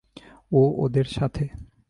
ও ওদের সাথে।